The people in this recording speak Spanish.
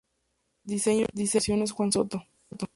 Diseño e ilustraciones: Juan Soto.